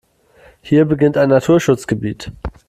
Hier beginnt ein Naturschutzgebiet.